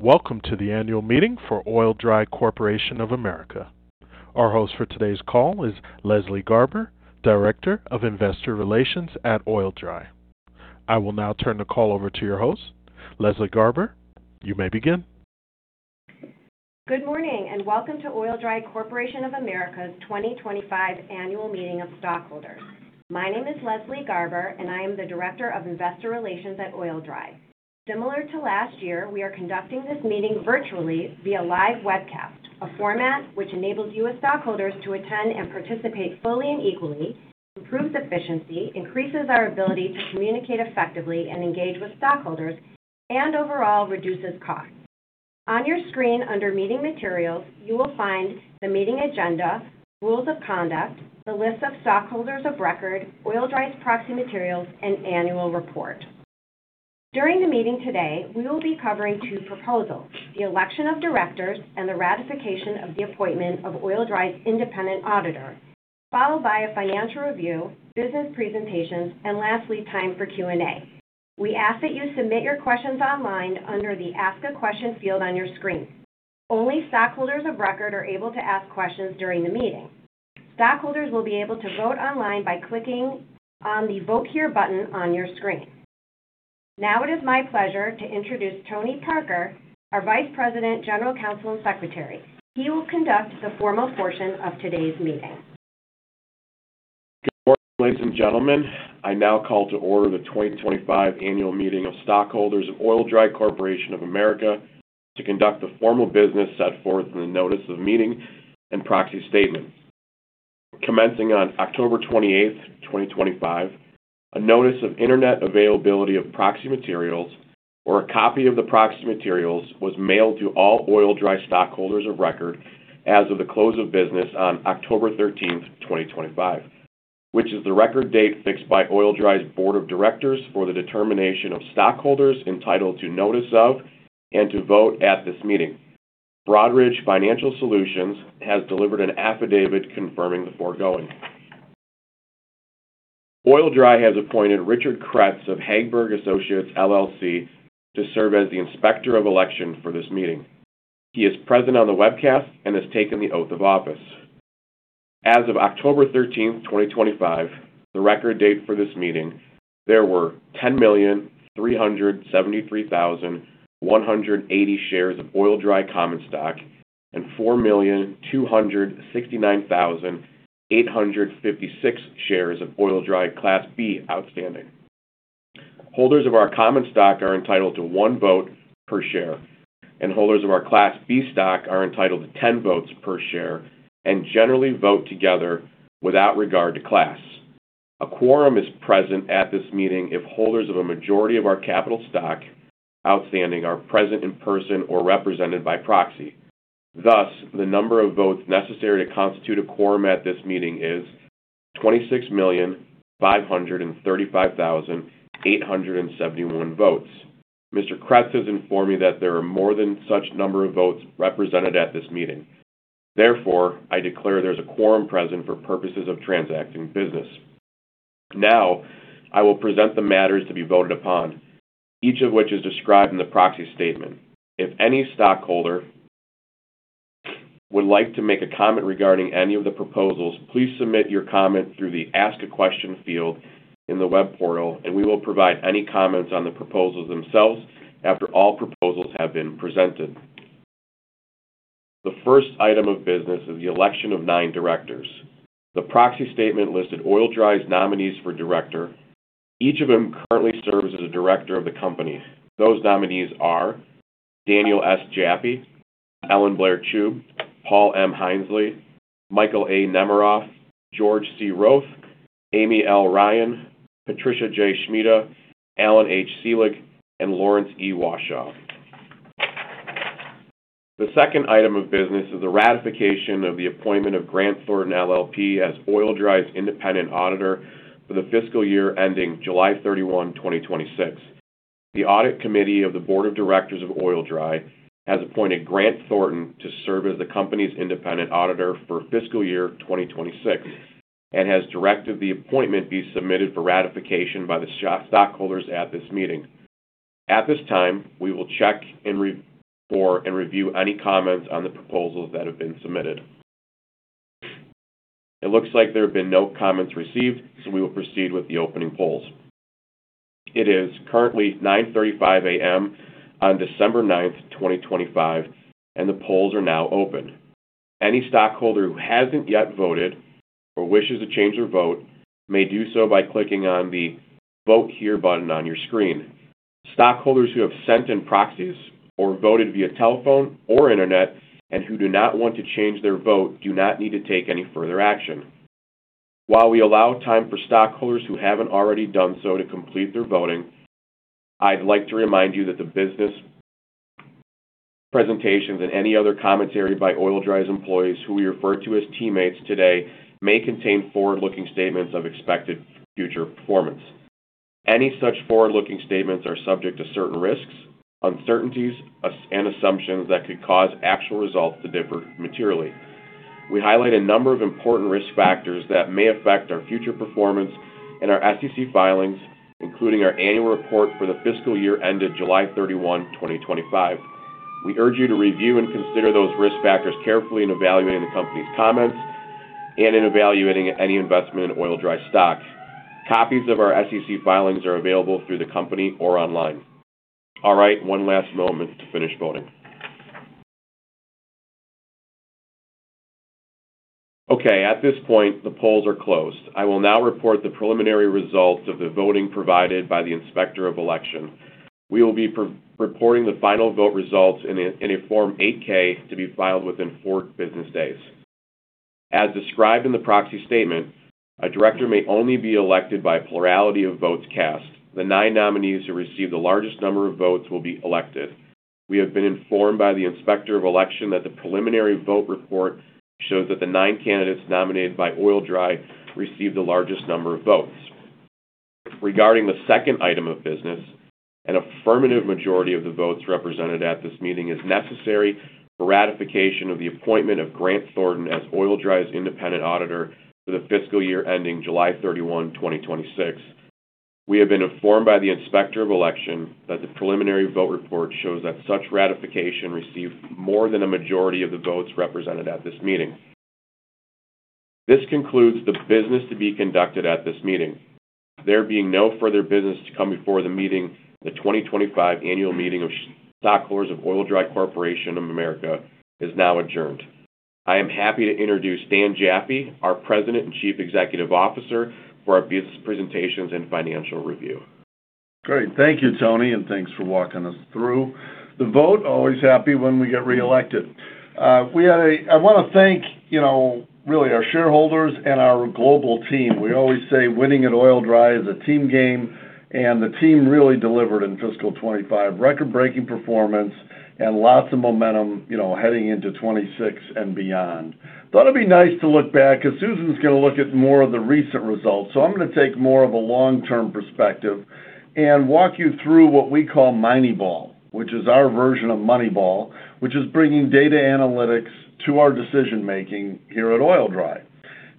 Welcome to the annual meeting for Oil-Dri Corporation of America. Our host for today's call is Leslie Garber, Director of Investor Relations at Oil-Dri. I will now turn the call over to your host, Leslie Garber. You may begin. Good morning and welcome to Oil-Dri Corporation of America's 2025 annual meeting of stockholders. My name is Leslie Garber, and I am the Director of Investor Relations at Oil-Dri. Similar to last year, we are conducting this meeting virtually via live webcast, a format which enables U.S. stockholders to attend and participate fully and equally, improves efficiency, increases our ability to communicate effectively and engage with stockholders, and overall reduces costs. On your screen, under Meeting Materials, you will find the meeting agenda, rules of conduct, the list of stockholders of record, Oil-Dri's proxy materials, and annual report. During the meeting today, we will be covering two proposals: the election of directors and the ratification of the appointment of Oil-Dri's independent auditor, followed by a financial review, business presentations, and lastly, time for Q&A. We ask that you submit your questions online under the Ask a Question field on your screen. Only stockholders of record are able to ask questions during the meeting. Stockholders will be able to vote online by clicking on the Vote Here button on your screen. Now it is my pleasure to introduce Tony Parker, our Vice President, General Counsel, and Secretary. He will conduct the formal portion of today's meeting. Good morning, ladies and gentlemen. I now call to order the 2025 annual meeting of stockholders of Oil-Dri Corporation of America to conduct the formal business set forth in the Notice of Meeting and Proxy Statement. Commencing on October 28th, 2025, a notice of internet availability of proxy materials or a copy of the proxy materials was mailed to all Oil-Dri stockholders of record as of the close of business on October 13th, 2025, which is the record date fixed by Oil-Dri's Board of Directors for the determination of stockholders entitled to notice of and to vote at this meeting. Broadridge Financial Solutions has delivered an affidavit confirming the foregoing. Oil-Dri has appointed Richard Kretz of Hagberg Associates, LLC, to serve as the inspector of election for this meeting. He is present on the webcast and has taken the oath of office. As of October 13th, 2025, the record date for this meeting, there were 10,373,180 shares of Oil-Dri Common Stock and 4,269,856 shares of Oil-Dri Class B outstanding. Holders of our Common Stock are entitled to one vote per share, and holders of our Class B stock are entitled to 10 votes per share and generally vote together without regard to class. A quorum is present at this meeting if holders of a majority of our capital stock outstanding are present in person or represented by proxy. Thus, the number of votes necessary to constitute a quorum at this meeting is 26,535,871 votes. Mr. Kretz has informed me that there are more than such number of votes represented at this meeting. Therefore, I declare there's a quorum present for purposes of transacting business. Now, I will present the matters to be voted upon, each of which is described in the proxy statement. If any stockholder would like to make a comment regarding any of the proposals, please submit your comment through the Ask a Question field in the web portal, and we will provide any comments on the proposals themselves after all proposals have been presented. The first item of business is the election of nine directors. The proxy statement listed Oil-Dri's nominees for director. Each of them currently serves as a director of the company. Those nominees are Daniel S. Jaffee, Alan Blair Chubb, Paul M. Hinsley, Michael A. Nemiroff, George C. Roath, Amy L. Ryan, Patricia J. Schmida, Alan H. Selig, and Lawrence E. Washaw. The second item of business is the ratification of the appointment of Grant Thornton LLP as Oil-Dri's independent auditor for the fiscal year ending July 31, 2026. The audit committee of the Board of Directors of Oil-Dri has appointed Grant Thornton to serve as the company's independent auditor for fiscal year 2026 and has directed the appointment be submitted for ratification by the stockholders at this meeting. At this time, we will check and review any comments on the proposals that have been submitted. It looks like there have been no comments received, so we will proceed with the opening polls. It is currently 9:35 A.M. on December 9th, 2025, and the polls are now open. Any stockholder who hasn't yet voted or wishes to change their vote may do so by clicking on the Vote Here button on your screen. Stockholders who have sent in proxies or voted via telephone or internet and who do not want to change their vote do not need to take any further action. While we allow time for stockholders who haven't already done so to complete their voting, I'd like to remind you that the business presentations and any other commentary by Oil-Dri's employees, who we refer to as teammates today, may contain forward-looking statements of expected future performance. Any such forward-looking statements are subject to certain risks, uncertainties, and assumptions that could cause actual results to differ materially. We highlight a number of important risk factors that may affect our future performance and our SEC filings, including our annual report for the fiscal year ended July 31, 2025. We urge you to review and consider those risk factors carefully in evaluating the company's comments and in evaluating any investment in Oil-Dri stock. Copies of our SEC filings are available through the company or online. All right, one last moment to finish voting. Okay, at this point, the polls are closed. I will now report the preliminary results of the voting provided by the inspector of election. We will be reporting the final vote results in a Form 8-K to be filed within four business days. As described in the proxy statement, a director may only be elected by plurality of votes cast. The nine nominees who receive the largest number of votes will be elected. We have been informed by the inspector of election that the preliminary vote report shows that the nine candidates nominated by Oil-Dri received the largest number of votes. Regarding the second item of business, an affirmative majority of the votes represented at this meeting is necessary for ratification of the appointment of Grant Thornton as Oil-Dri's independent auditor for the fiscal year ending July 31, 2026. We have been informed by the inspector of election that the preliminary vote report shows that such ratification received more than a majority of the votes represented at this meeting. This concludes the business to be conducted at this meeting. There being no further business to come before the meeting, the 2025 annual meeting of stockholders of Oil-Dri Corporation of America is now adjourned. I am happy to introduce Dan Jaffee, our President and Chief Executive Officer, for our business presentations and financial review. Great. Thank you, Tony, and thanks for walking us through the vote. Always happy when we get reelected. I want to thank, you know, really our shareholders and our global team. We always say winning at Oil-Dri is a team game, and the team really delivered in fiscal 25, record-breaking performance and lots of momentum, you know, heading into 26 and beyond. Thought it'd be nice to look back because Susan's going to look at more of the recent results. I'm going to take more of a long-term perspective and walk you through what we call Moneyball, which is our version of Moneyball, which is bringing data analytics to our decision-making here at Oil-Dri.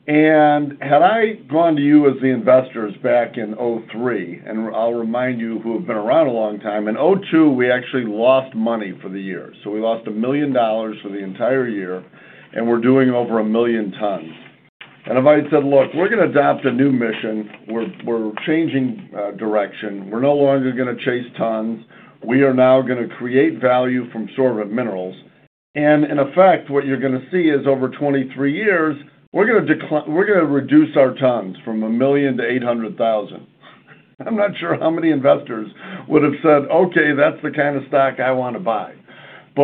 Had I gone to you as the investors back in 2003, and I'll remind you who have been around a long time, in 2002, we actually lost money for the year. We lost $1 million for the entire year, and we're doing over 1 million tons. If I had said, "Look, we're going to adopt a new mission. We're changing direction. We're no longer going to chase tons. We are now going to create value from store of minerals." In effect, what you're going to see is over 23 years, we're going to reduce our tons from 1 million to 800,000. I'm not sure how many investors would have said, "Okay, that's the stock I want to buy."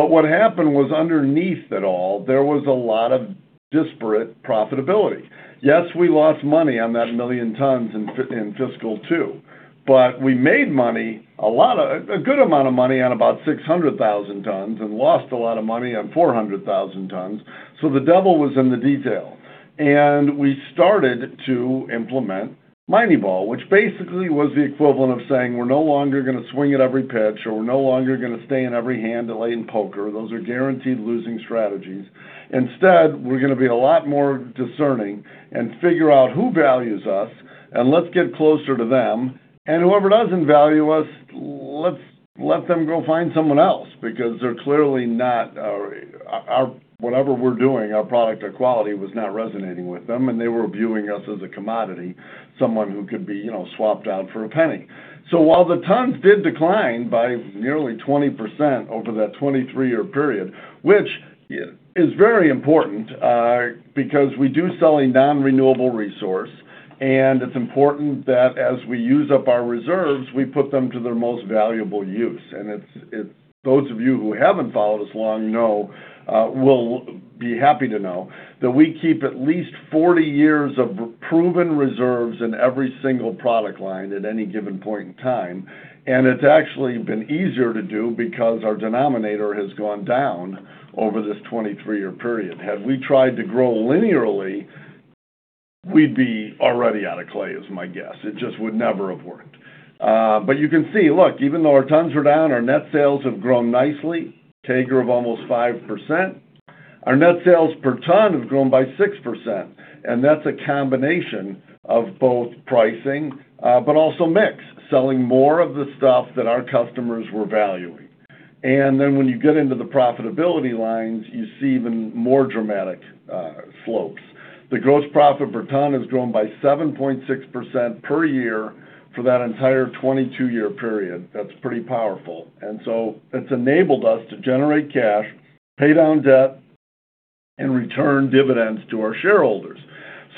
What happened was underneath it all, there was a lot of disparate profitability. Yes, we lost money on that 1 million tons in fiscal two, but we made money, a good amount of money on about 600,000 tons and lost a lot of money on 400,000 tons. The devil was in the detail. We started to implement Moneyball, which basically was the equivalent of saying, "We're no longer going to swing at every pitch or we're no longer going to stay in every hand to play in poker. Those are guaranteed losing strategies. Instead, we're going to be a lot more discerning and figure out who values us, and let's get closer to them. Whoever doesn't value us, let's let them go find someone else because they're clearly not our whatever we're doing, our product or quality was not resonating with them, and they were viewing us as a commodity, someone who could be, you know, swapped out for a penny. While the tons did decline by nearly 20% over that 23-year period, which is very important because we do sell a non-renewable resource, and it's important that as we use up our reserves, we put them to their most valuable use. And those of you who haven't followed us long, you know, will be happy to know that we keep at least 40 years of proven reserves in every single product line at any given point in time. It's actually been easier to do because our denominator has gone down over this 23-year period. Had we tried to grow linearly, we'd be already out of clay, is my guess. It just would never have worked. You can see, look, even though our tons are down, our net sales have grown nicely, CAGR of almost 5%. Our net sales per ton have grown by 6%. That's a combination of both pricing, but also mix, selling more of the stuff that our customers were valuing. Then when you get into the profitability lines, you see even more dramatic slopes. The gross profit per ton has grown by 7.6% per year for that entire 22-year period. That's pretty powerful. It's enabled us to generate cash, pay down debt, and return dividends to our shareholders.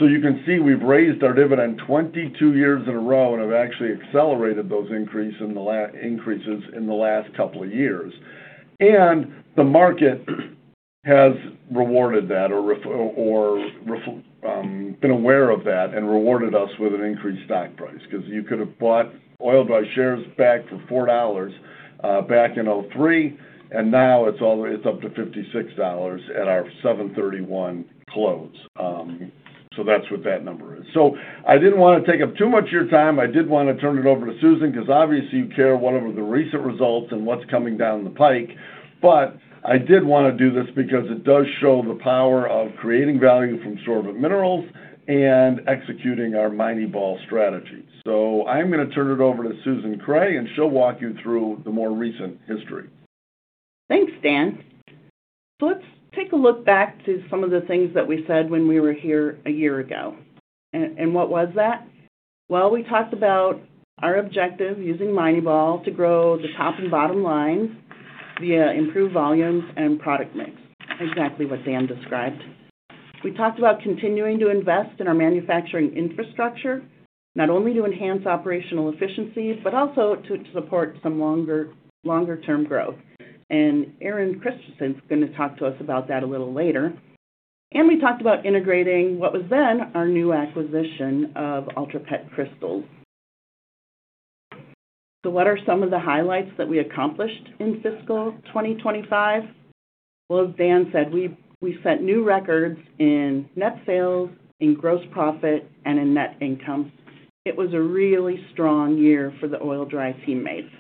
You can see we've raised our dividend 22 years in a row and have actually accelerated those increases in the last couple of years. The market has rewarded that or been aware of that and rewarded us with an increased stock price because you could have bought Oil-Dri shares back for $4 back in 2003, and now it's up to $56 at our 7/31 close. That's what that number is. I didn't want to take up too much of your time. I did want to turn it over to Susan because obviously you care about whatever the recent results and what's coming down the pike. I did want to do this because it does show the power of creating value from sorbent minerals and executing our Moneyball strategy. I'm going to turn it over to Susan Kreh, and she'll walk you through the more recent history. Thanks, Dan. Let's take a look back to some of the things that we said when we were here a year ago. What was that? Well, we talked about our objective using Moneyball to grow the top and bottom lines via improved volumes and product mix, exactly what Dan described. We talked about continuing to invest in our manufacturing infrastructure, not only to enhance operational efficiency, but also to support some longer-term growth. And Aaron Christensen is going to talk to us about that a little later. We talked about integrating what was then our new acquisition of UltraPet Crystals. What are some of the highlights that we accomplished in fiscal 2025? Well, as Dan said, we set new records in net sales, in gross profit, and in net income. It was a really strong year for the Oil-Dri teammates.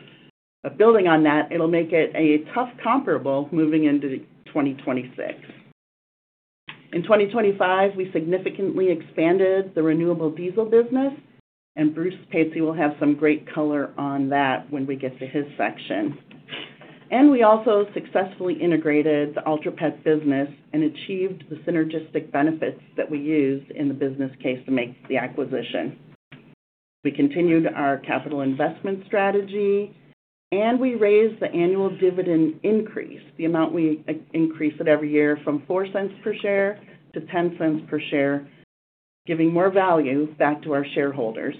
Building on that, it'll make it a tough comparable moving into 2026. In 2025, we significantly expanded the renewable diesel business, and Bruce Patsey will have some great color on that when we get to his section. We also successfully integrated the UltraPET business and achieved the synergistic benefits that we used in the business case to make the acquisition. We continued our capital investment strategy, and we raised the annual dividend increase, the amount we increase it every year from $0.04 per share to $0.10 per share, giving more value back to our shareholders.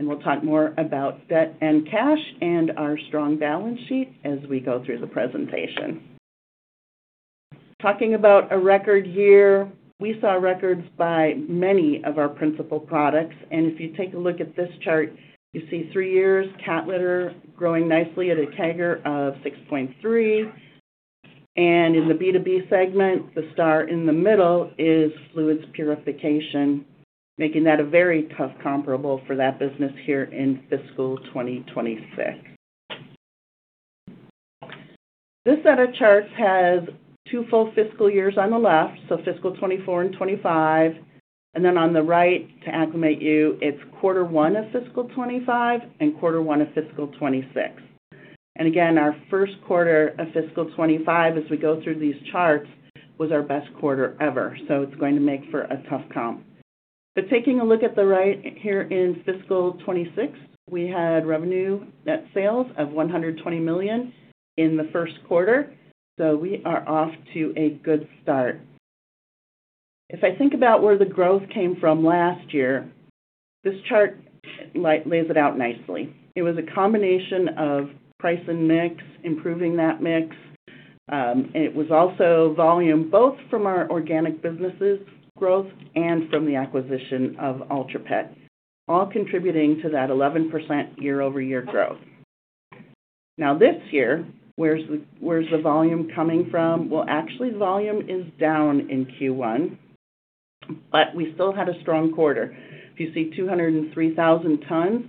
We'll talk more about debt and cash and our strong balance sheet as we go through the presentation. Talking about a record year, we saw records by many of our principal products. If you take a look at this chart, you see three years, Cat Litter growing nicely at a CAGR of 6.3%. In the B2B segment, the star in the middle is fluids purification, making that a very tough comparable for that business here in fiscal 2026. This set of charts has two full fiscal years on the left, so fiscal 2024 and 2025. Then on the right, to acclimate you, it is quarter one of fiscal 2025 and quarter one of fiscal 2026. Again, our first quarter of fiscal 2025, as we go through these charts, was our best quarter ever. It is going to make for a tough comp. Taking a look at the right here in fiscal 2026, we had revenue net sales of $120 million in the first quarter. We are off to a good start. If I think about where the growth came from last year, this chart lays it out nicely. It was a combination of price and mix, improving that mix. It was also volume, both from our organic businesses' growth and from the acquisition of UltraPET, all contributing to that 11% year-over-year growth. Now, this year, where's the volume coming from? Well, actually, volume is down in Q1, but we still had a strong quarter. If you see 203,000 tons,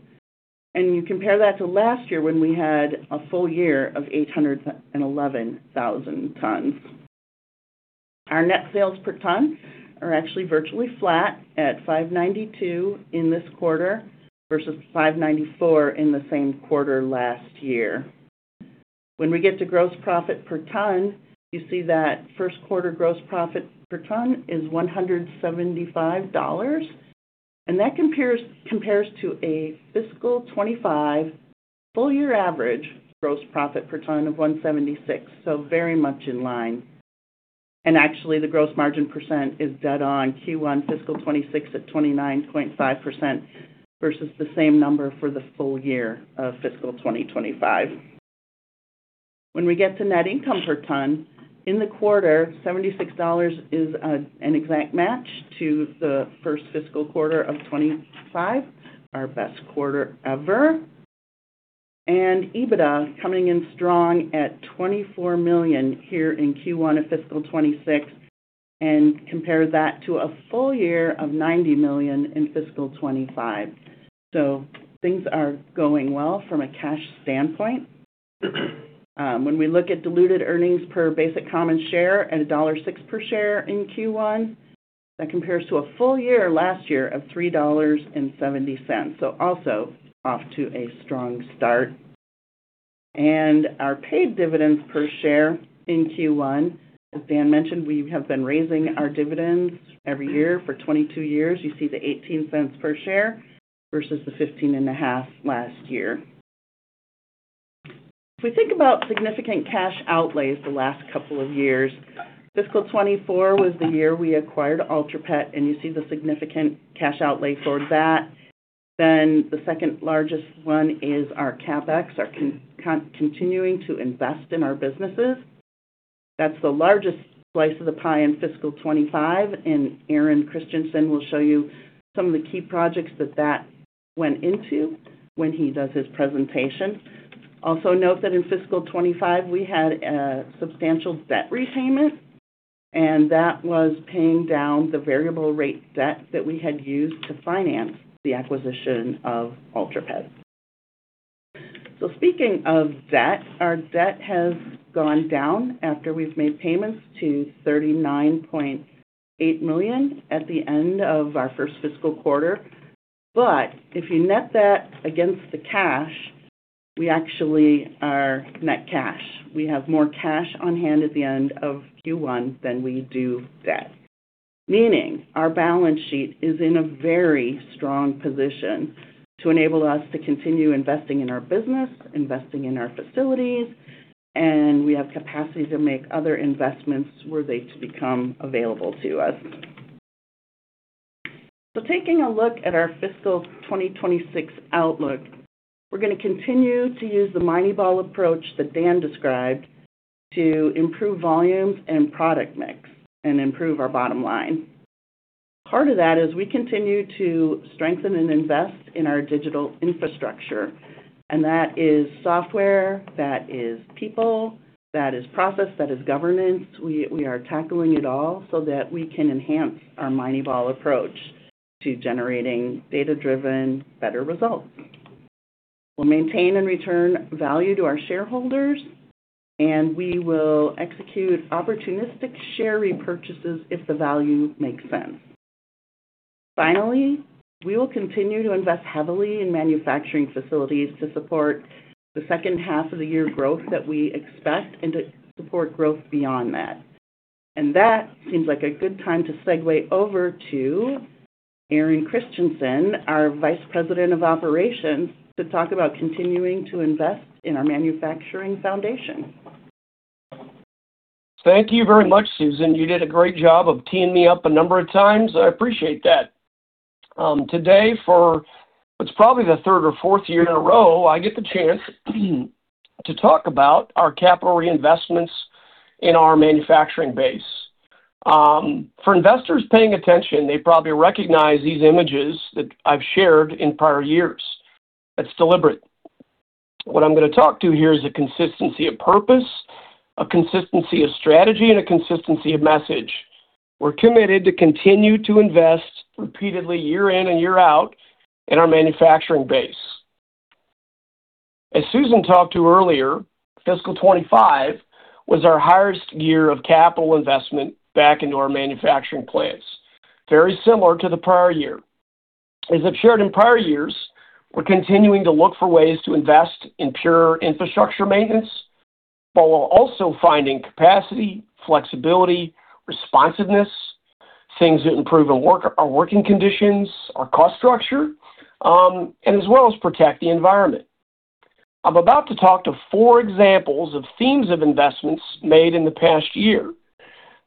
and you compare that to last year when we had a full year of 811,000 tons. Our net sales per ton are actually virtually flat at $592 in this quarter versus $594 in the same quarter last year. When we get to gross profit per ton, you see that first quarter gross profit per ton is $175. That compares to a fiscal 2025 full year average gross profit per ton of $176, so very much in line. Actually, the gross margin percent is dead on Q1 fiscal 2026 at 29.5% versus the same number for the full year of fiscal 2025. When we get to net income per ton, in the quarter, $76 is an exact match to the first fiscal quarter of 2025, our best quarter ever. EBITDA coming in strong at $24 million here in Q1 of fiscal 2026, and compare that to a full year of $90 million in fiscal 2025. Things are going well from a cash standpoint. When we look at diluted earnings per basic common share at $1.06 per share in Q1, that compares to a full year last year of $3.70. Also off to a strong start. Our paid dividends per share in Q1, as Dan mentioned, we have been raising our dividends every year for 22 years. You see the $0.18 per share versus the $0.155 last year. If we think about significant cash outlays the last couple of years, fiscal 2024 was the year we acquired UltraPet, and you see the significant cash outlay for that. Then the second largest one is our CapEx, our continuing to invest in our businesses. That's the largest slice of the pie in fiscal 2025, and Aaron Christiansen will show you some of the key projects that went into when he does his presentation. Also note that in fiscal 2025, we had a substantial debt repayment, and that was paying down the variable rate debt that we had used to finance the acquisition of UltraPet. Speaking of debt, our debt has gone down after we've made payments to $39.8 million at the end of our first fiscal quarter. But if you net that against the cash, we actually are net cash. We have more cash on hand at the end of Q1 than we do debt. Meaning our balance sheet is in a very strong position to enable us to continue investing in our business, investing in our facilities, and we have capacity to make other investments worthy to become available to us. Taking a look at our fiscal 2026 outlook, we're going to continue to use the Moneyball approach that Dan described to improve volumes and product mix and improve our bottom line. Part of that is we continue to strengthen and invest in our digital infrastructure, and that is software, that is people, that is process, that is governance. We are tackling it all so that we can enhance our Moneyball approach to generating data-driven, better results. We'll maintain and return value to our shareholders, and we will execute opportunistic share repurchases if the value makes sense. Finally, we will continue to invest heavily in manufacturing facilities to support the second half of the year growth that we expect and to support growth beyond that. And that seems like a good time to segue over to Aaron Christensen, our Vice President of Operations, to talk about continuing to invest in our manufacturing foundation. Thank you very much, Susan. You did a great job of teeing me up a number of times. I appreciate that. Today, it's probably the third or fourth year in a row. I get the chance to talk about our capital reinvestments in our manufacturing base. For investors paying attention, they probably recognize these images that I've shared in prior years. That's deliberate. What I'm going to talk to here is a consistency of purpose, a consistency of strategy, and a consistency of message. We're committed to continue to invest repeatedly year in and year out in our manufacturing base. As Susan talked to earlier, fiscal 2025 was our highest year of capital investment back into our manufacturing plants, very similar to the prior year. As I've shared in prior years, we're continuing to look for ways to invest in pure infrastructure maintenance, but we're also finding capacity, flexibility, responsiveness, things that improve our working conditions, our cost structure, and as well as protect the environment. I'm about to talk to four examples of themes of investments made in the past year.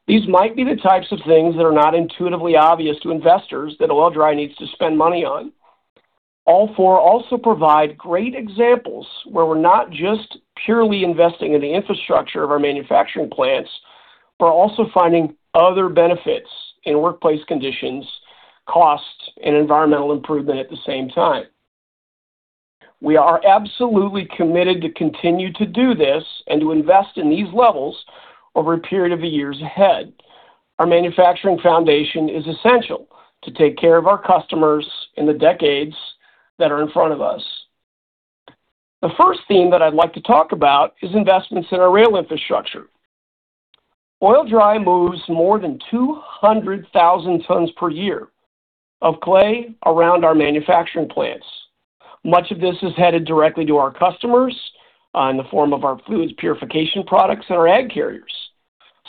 These might be the types of things that are not intuitively obvious to investors that Oil-Dri needs to spend money on. All four also provide great examples where we're not just purely investing in the infrastructure of our manufacturing plants, but also finding other benefits in workplace conditions, cost, and environmental improvement at the same time. We are absolutely committed to continue to do this and to invest in these levels over a period of years ahead. Our manufacturing foundation is essential to take care of our customers in the decades that are in front of us. The first theme that I'd like to talk about is investments in our rail infrastructure. Oil-Dri moves more than 200,000 tons per year of clay around our manufacturing plants. Much of this is headed directly to our customers in the form of our fluids purification products and our ag carriers,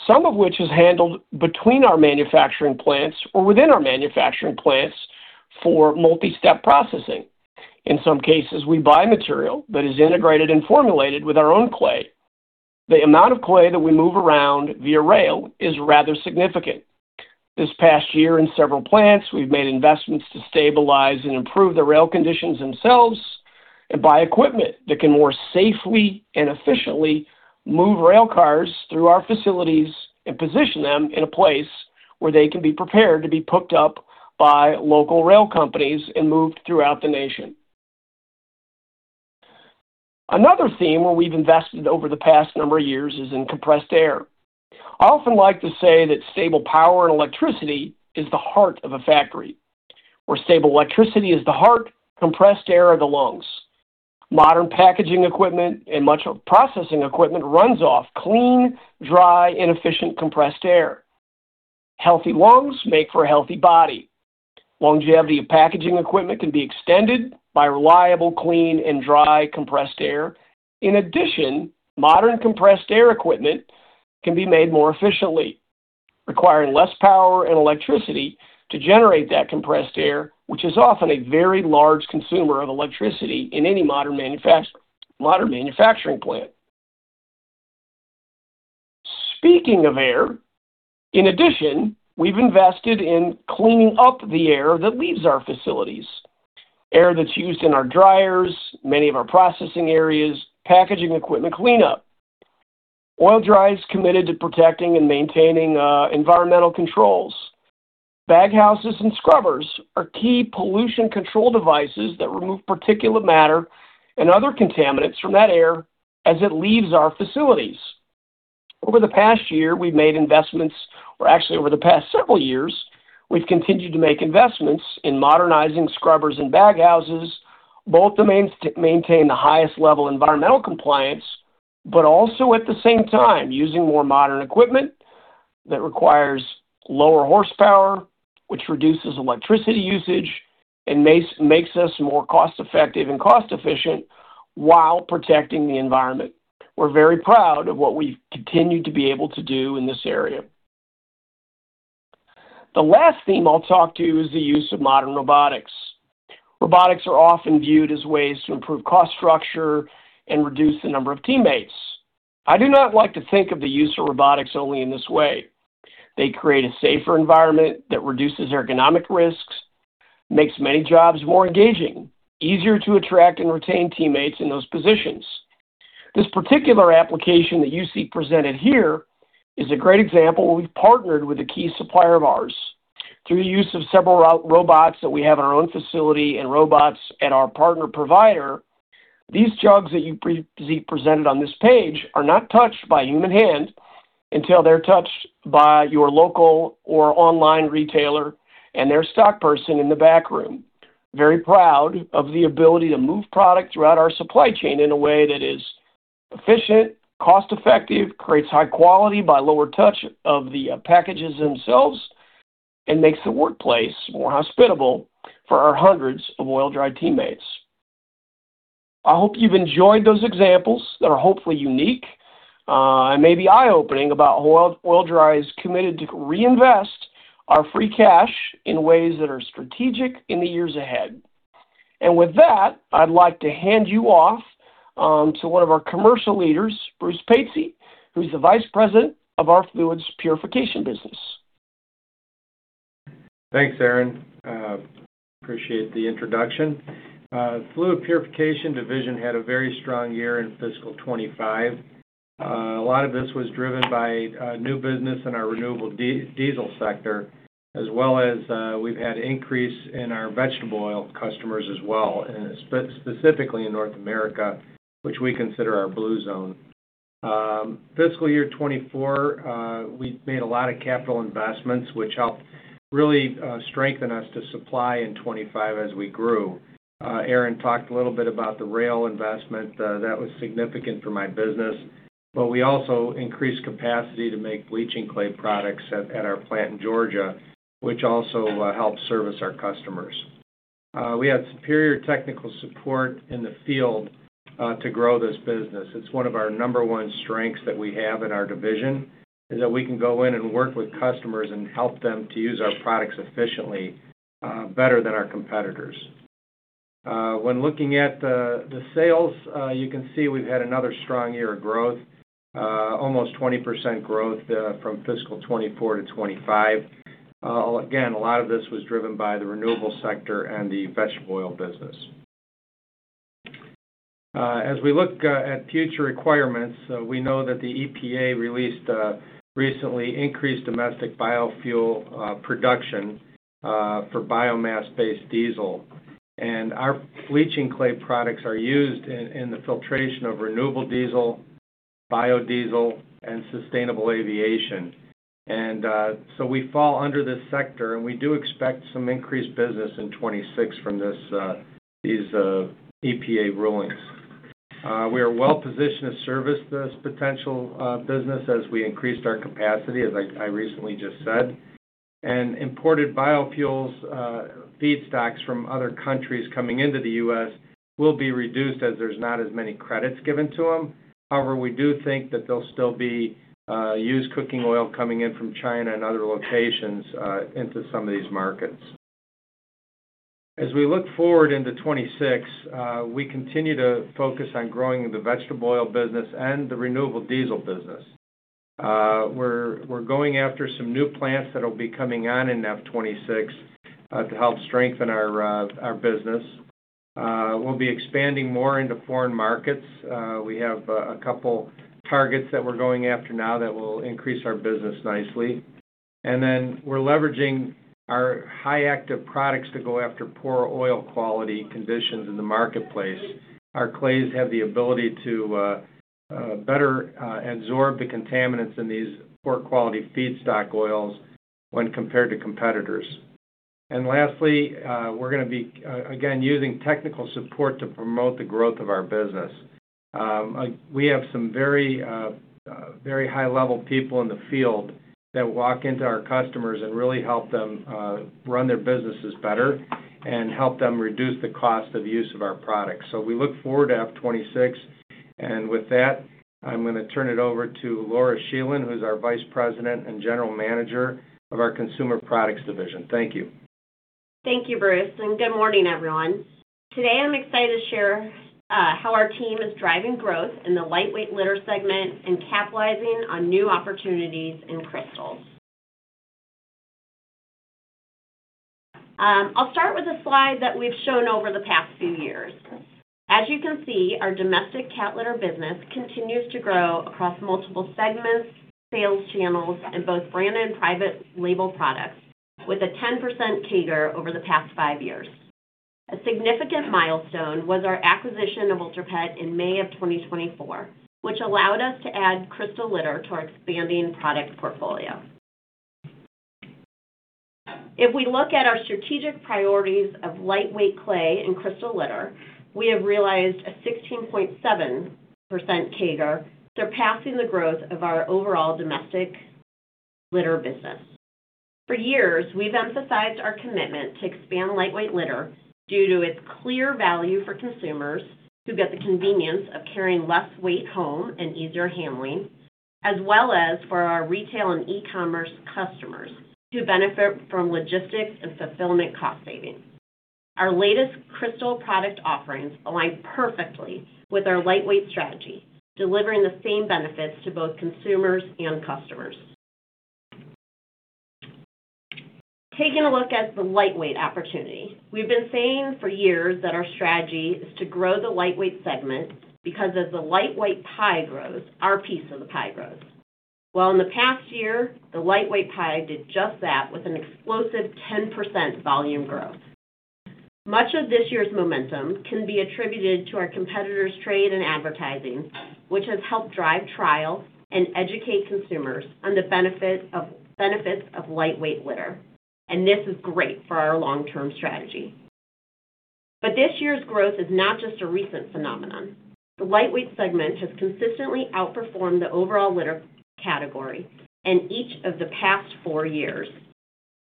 some of which is handled between our manufacturing plants or within our manufacturing plants for multi-step processing. In some cases, we buy material that is integrated and formulated with our own clay. The amount of clay that we move around via rail is rather significant. This past year, in several plants, we've made investments to stabilize and improve the rail conditions themselves and buy equipment that can more safely and efficiently move rail cars through our facilities and position them in a place where they can be prepared to be picked up by local rail companies and moved throughout the nation. Another theme where we've invested over the past number of years is in compressed air. I often like to say that stable power and electricity is the heart of a factory, where stable electricity is the heart, compressed air are the lungs. Modern packaging equipment and much of processing equipment runs off clean, dry, and efficient compressed air. Healthy lungs make for a healthy body. Longevity of packaging equipment can be extended by reliable, clean, and dry compressed air. In addition, modern compressed air equipment can be made more efficiently, requiring less power and electricity to generate that compressed air, which is often a very large consumer of electricity in any modern manufacturing plant. Speaking of air, in addition, we've invested in cleaning up the air that leaves our facilities, air that's used in our dryers, many of our processing areas, packaging equipment cleanup. Oil-Dri is committed to protecting and maintaining environmental controls. Baghouses and scrubbers are key pollution control devices that remove particulate matter and other contaminants from that air as it leaves our facilities. Over the past year, we've made investments, or actually over the past several years, we've continued to make investments in modernizing scrubbers and bag houses, both to maintain the highest level of environmental compliance, but also at the same time using more modern equipment that requires lower horsepower, which reduces electricity usage and makes us more cost-effective and cost-efficient while protecting the environment. We're very proud of what we've continued to be able to do in this area. The last theme I'll talk to is the use of modern robotics. Robotics are often viewed as ways to improve cost structure and reduce the number of teammates. I do not like to think of the use of robotics only in this way. They create a safer environment that reduces ergonomic risks, makes many jobs more engaging, easier to attract and retain teammates in those positions. This particular application that you see presented here is a great example where we've partnered with a key supplier of ours. Through the use of several robots that we have in our own facility and robots at our partner provider, these jugs that you see presented on this page are not touched by a human hand until they're touched by your local or online retailer and their stock person in the back room. Very proud of the ability to move product throughout our supply chain in a way that is efficient, cost-effective, creates high quality by lower touch of the packages themselves, and makes the workplace more hospitable for our hundreds of Oil-Dri teammates. I hope you've enjoyed those examples that are hopefully unique and maybe eye-opening about how Oil-Dri is committed to reinvest our free cash in ways that are strategic in the years ahead. With that, I'd like to hand you off to one of our commercial leaders, Bruce Patsey, who's the Vice President of our Fluids Purification business. Thanks, Aaron. Appreciate the introduction. Fluids Purification Division had a very strong year in fiscal 2025. A lot of this was driven by new business in our renewable diesel sector, as well as we've had an increase in our vegetable oil customers as well, and specifically in North America, which we consider our blue zone. Fiscal year 2024, we made a lot of capital investments, which helped really strengthen us to supply in 2025 as we grew. Aaron talked a little bit about the rail investment. That was significant for my business, but we also increased capacity to make bleaching clay products at our plant in Georgia, which also helped service our customers. We had superior technical support in the field to grow this business. It's one of our number one strengths that we have in our division, is that we can go in and work with customers and help them to use our products efficiently, better than our competitors. When looking at the sales, you can see we've had another strong year of growth, almost 20% growth from fiscal 2024 to 2025. Again, a lot of this was driven by the renewable sector and the vegetable oil business. As we look at future requirements, we know that the EPA released recently increased domestic biofuel production for biomass-based diesel, and our bleaching clay products are used in the filtration of renewable diesel, biodiesel, and sustainable aviation, and so we fall under this sector, and we do expect some increased business in 2026 from these EPA rulings. We are well positioned to service this potential business as we increased our capacity, as I recently just said. Imported biofuels feedstocks from other countries coming into the U.S. will be reduced as there's not as many credits given to them. However, there'll still be used cooking oil coming in from China and other locations into some of these markets. As we look forward into 2026, we continue to focus on growing the vegetable oil business and the renewable diesel business. We're going after some new plants that will be coming on in FY 2026 to help strengthen our business. We'll be expanding more into foreign markets. We have a couple of targets that we're going after now that will increase our business nicely. We're leveraging our high-active products to go after poor oil quality conditions in the marketplace. Our clays have the ability to better absorb the contaminants in these poor-quality feedstock oils when compared to competitors. Lastly, we're going to be, again, using technical support to promote the growth of our business. We have some very high-level people in the field that walk into our customers and really help them run their businesses better and help them reduce the cost of use of our products. We look forward to F26. With that, I'm going to turn it over to Laura Scheland, who's our Vice President and General Manager of our Consumer Products Division. Thank you. Thank you, Bruce. Good morning, everyone. Today, I'm excited to share how our team is driving growth in the lightweight litter segment and capitalizing on new opportunities in crystals. I'll start with a slide that we've shown over the past few years. As you can see, our domestic cat litter business continues to grow across multiple segments, sales channels, and both brand and private label products, with a 10% CAGR over the past five years. A significant milestone was our acquisition of UltraPET in May of 2024, which allowed us to add crystal litter to our expanding product portfolio. If we look at our strategic priorities of lightweight clay and crystal litter, we have realized a 16.7% CAGR, surpassing the growth of our overall domestic litter business. For years, we've emphasized our commitment to expand lightweight litter due to its clear value for consumers who get the convenience of carrying less weight home and easier handling, as well as for our retail and e-commerce customers who benefit from logistics and fulfillment cost savings. Our latest crystal product offerings align perfectly with our lightweight strategy, delivering the same benefits to both consumers and customers. Taking a look at the lightweight opportunity, we've been saying for years that our strategy is to grow the lightweight segment because as the lightweight pie grows, our piece of the pie grows. Well, in the past year, the lightweight pie did just that with an explosive 10% volume growth. Much of this year's momentum can be attributed to our competitors' trade and advertising, which has helped drive trials and educate consumers on the benefits of lightweight litter. This is great for our long-term strategy. But this year's growth is not just a recent phenomenon. The lightweight segment has consistently outperformed the overall litter category in each of the past four years,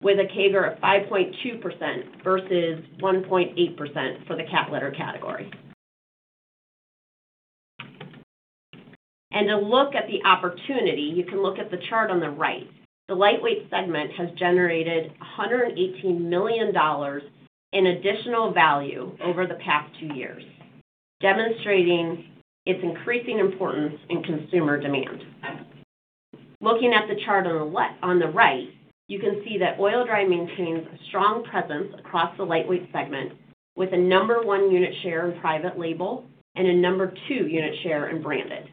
with a CAGR of 5.2% versus 1.8% for the cat litter category. To look at the opportunity, you can look at the chart on the right. The lightweight segment has generated $118 million in additional value over the past two years, demonstrating its increasing importance in consumer demand. Looking at the chart on the right, you can see that Oil-Dri maintains a strong presence across the lightweight segment, with a number one unit share in private label and a number two unit share in branded.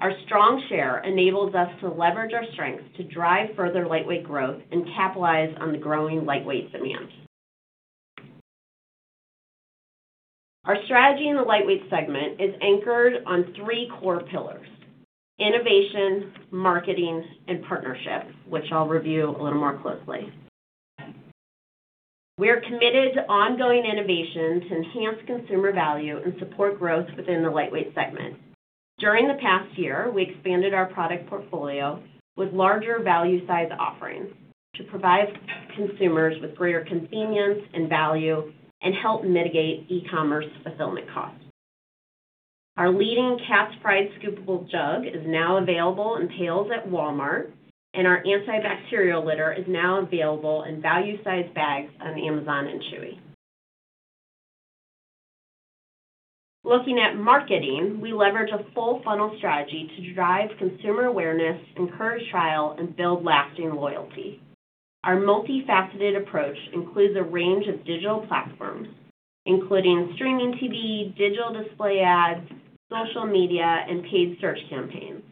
Our strong share enables us to leverage our strengths to drive further lightweight growth and capitalize on the growing lightweight demand. Our strategy in the lightweight segment is anchored on three core pillars: innovation, marketing, and partnership, which I'll review a little more closely. We are committed to ongoing innovation to enhance consumer value and support growth within the lightweight segment. During the past year, we expanded our product portfolio with larger value-sized offerings to provide consumers with greater convenience and value and help mitigate e-commerce fulfillment costs. Our leading Cat's Pride scoopable jug is now available in pails at Walmart, and our antibacterial litter is now available in value-sized bags on Amazon and Chewy. Looking at marketing, we leverage a full funnel strategy to drive consumer awareness, encourage trial, and build lasting loyalty. Our multifaceted approach includes a range of digital platforms, including streaming TV, digital display ads, social media, and paid search campaigns,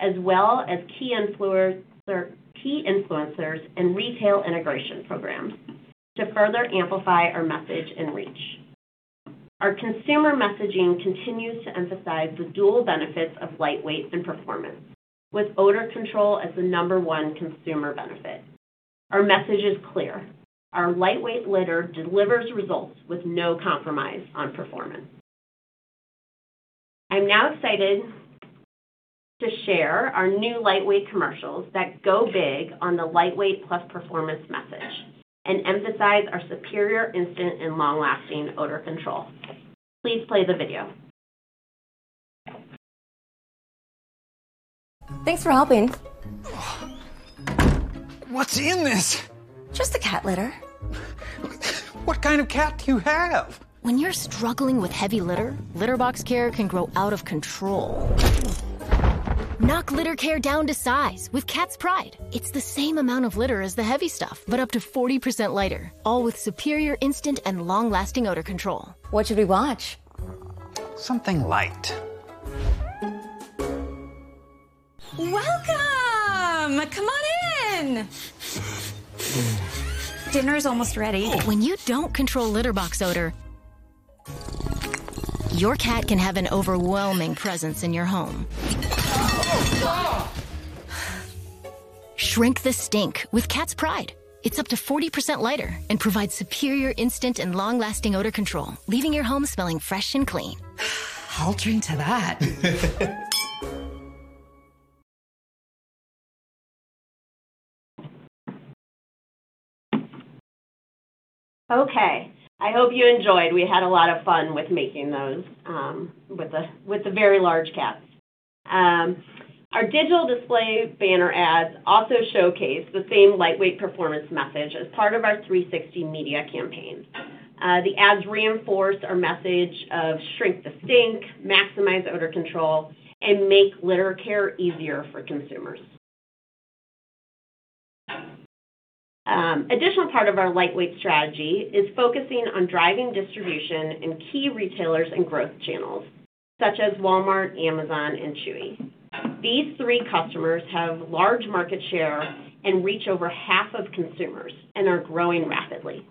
as well as key influencers and retail integration programs to further amplify our message and reach. Our consumer messaging continues to emphasize the dual benefits of lightweight and performance, with odor control as the number one consumer benefit. Our message is clear. Our lightweight litter delivers results with no compromise on performance. I'm now excited to share our new lightweight commercials that go big on the lightweight plus performance message and emphasize our superior instant and long-lasting odor control. Please play the video. Thanks for helping. What's in this? Just a cat litter. What kind of cat do you have? When you're struggling with heavy litter, LitterBox Care can grow out of control. Knock litter care down to size with Cat's Pride. It's the same amount of litter as the heavy stuff, but up to 40% lighter, all with superior instant and long-lasting odor control. What should we watch? Something light. Welcome. Come on in. Dinner's almost ready. When you don't control litter box odor, your cat can have an overwhelming presence in your home. Shrink the stink with Cat's Pride. It's up to 40% lighter and provides superior instant and long-lasting odor control, leaving your home smelling fresh and clean. Altering to that. Okay. I hope you enjoyed. We had a lot of fun with making those with the very large cats. Our digital display banner ads also showcase the same lightweight performance message as part of our 360 media campaigns. The ads reinforce our message of shrink the stink, maximize odor control, and make litter care easier for consumers. Additional part of our lightweight strategy is focusing on driving distribution in key retailers and growth channels, such as Walmart, Amazon, and Chewy. These three customers have large market share and reach over half of consumers and are growing rapidly.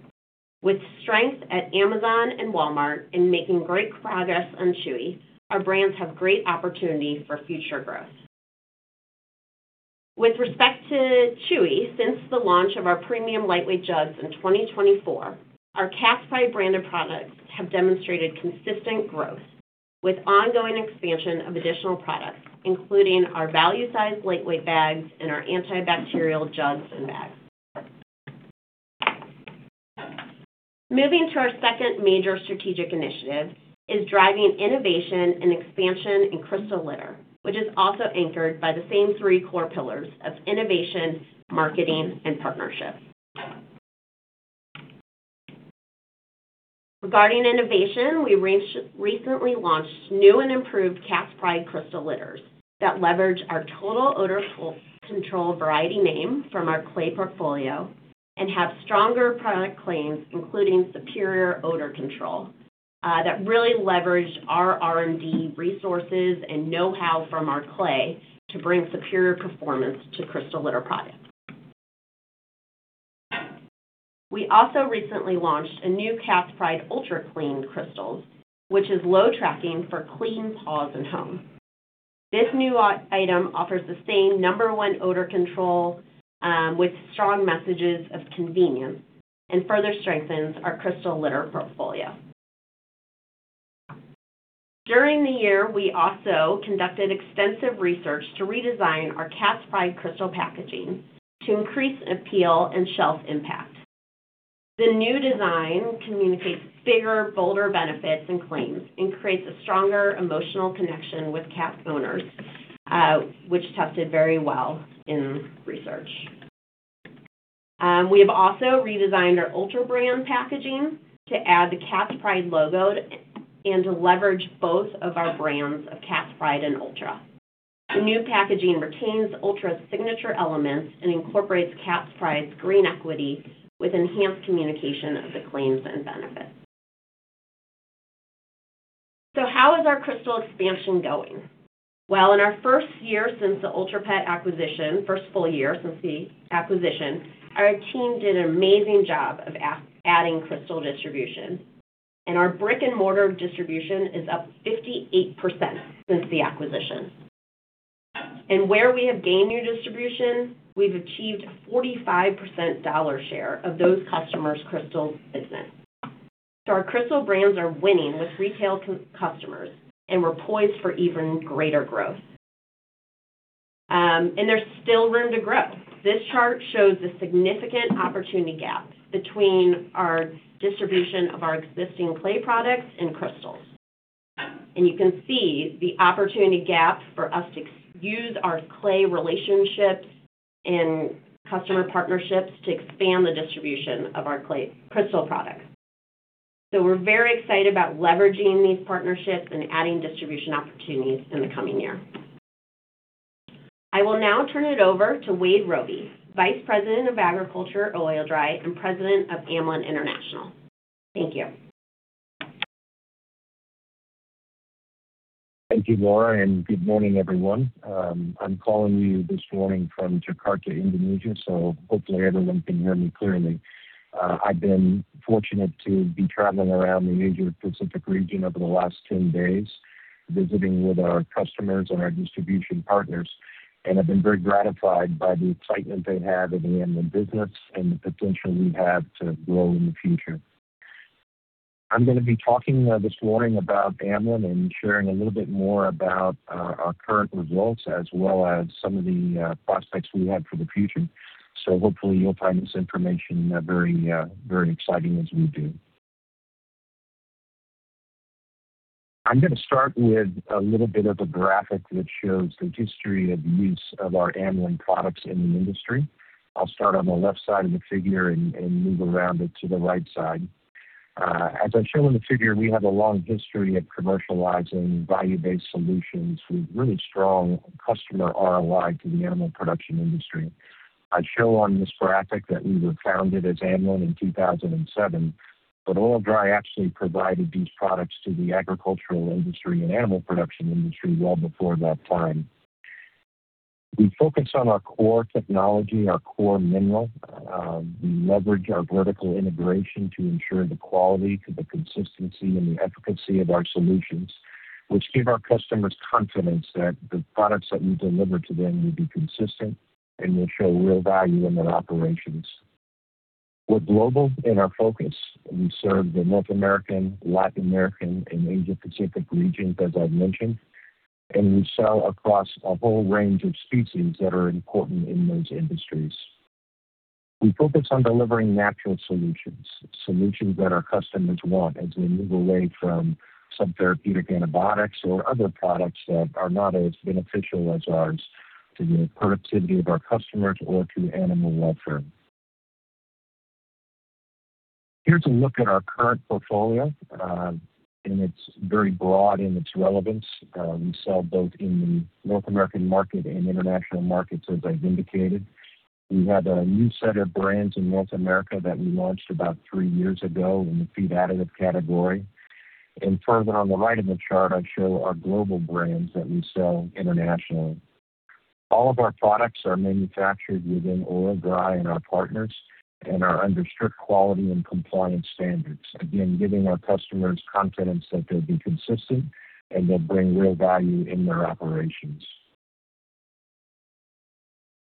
With strength at Amazon and Walmart and making great progress on Chewy, our brands have great opportunity for future growth. With respect to Chewy, since the launch of our premium lightweight jugs in 2024, our Cat's Pride branded products have demonstrated consistent growth with ongoing expansion of additional products, including our value-sized lightweight bags and our antibacterial jugs and bags. Moving to our second major strategic initiative is driving innovation and expansion in crystal litter, which is also anchored by the same three core pillars of innovation, marketing, and partnership. Regarding innovation, we recently launched new and improved Cat's Pride crystal litters that leverage our total odor control variety name from our clay portfolio and have stronger product claims, including superior odor control, that really leverage our R&D resources and know-how from our clay to bring superior performance to crystal litter products. We also recently launched a new Cat's Pride Ultra Clean crystals, which is low tracking for clean paws and home. This new item offers the same number one odor control with strong messages of convenience and further strengthens our crystal litter portfolio. During the year, we also conducted extensive research to redesign our Cat's Pride crystal packaging to increase appeal and shelf impact. The new design communicates bigger, bolder benefits and claims and creates a stronger emotional connection with cat owners, which tested very well in research. We have also redesigned our Ultra brand packaging to add the Cat's Pride logo and to leverage both of our brands of Cat's Pride and Ultra. The new packaging retains Ultra's signature elements and incorporates Cat's Pride's green equity with enhanced communication of the claims and benefits. How is our crystal expansion going? Well, in our first year since the UltraPET acquisition, first full year since the acquisition, our team did an amazing job of adding crystal distribution. Our brick-and-mortar distribution is up 58% since the acquisition. Where we have gained new distribution, we've achieved 45% dollar share of those customers' crystal business. Our crystal brands are winning with retail customers, and we're poised for even greater growth. There's still room to grow. This chart shows the significant opportunity gap between our distribution of our existing clay products and crystals. You can see the opportunity gap for us to use our clay relationships and customer partnerships to expand the distribution of our crystal products. We're very excited about leveraging these partnerships and adding distribution opportunities in the coming year. I will now turn it over to Wade Robey, Vice President of Agriculture at Oil-Dri and President of Amlin International. Thank you. Thank you, Laura, and good morning, everyone. I'm calling you this morning from Jakarta, Indonesia, so hopefully everyone can hear me clearly. I've been fortunate to be traveling around the Asia-Pacific region over the last 10 days, visiting with our customers and our distribution partners, and I've been very gratified by the excitement they have in the Amlin business and the potential we have to grow in the future. I'm going to be talking this morning about Amlin and sharing a little bit more about our current results as well as some of the prospects we have for the future. So hopefully you'll find this information very exciting as we do. I'm going to start with a little bit of a graphic that shows the history of use of our Amlin products in the industry. I'll start on the left side of the figure and move around it to the right side. As I show in the figure, we have a long history of commercializing value-based solutions with really strong customer ROI to the animal production industry. I show on this graphic that we were founded as Amlin in 2007, but Oil-Dri actually provided these products to the agricultural industry and animal production industry well before that time. We focus on our core technology, our core mineral. We leverage our vertical integration to ensure the quality, the consistency, and the efficacy of our solutions, which give our customers confidence that the products that we deliver to them will be consistent and will show real value in their operations. We're global in our focus. We serve the North American, Latin American, and Asia-Pacific regions, as I've mentioned, and we sell across a whole range of species that are important in those industries. We focus on delivering natural solutions, solutions that our customers want as they move away from some therapeutic antibiotics or other products that are not as beneficial as ours to the productivity of our customers or to animal welfare. Here's a look at our current portfolio, and it's very broad in its relevance. We sell both in the North American market and international markets, as I've indicated. We have a new set of brands in North America that we launched about three years ago in the feed additive category, and further on the right of the chart, I show our global brands that we sell internationally. All of our products are manufactured within Oil-Dri and our partners and are under strict quality and compliance standards, again, giving our customers confidence that they'll be consistent and they'll bring real value in their operations.